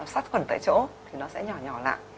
xác phần tại chỗ thì nó sẽ nhỏ nhỏ lạ